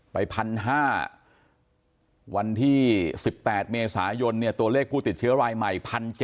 ๑๕๐๐วันที่๑๘เมษายนตัวเลขผู้ติดเชื้อรายใหม่๑๗๐๐